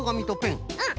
うん。